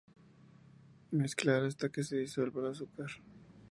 Mezclar hasta que se disuelva el azúcar.